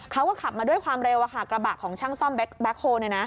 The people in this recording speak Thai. เขาก็ขับมาด้วยความเร็วกระบะของช่างซ่อมแบ็คโฮล